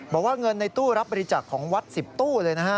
บอกว่าเงินในตู้รับบริจาคของวัด๑๐ตู้เลยนะฮะ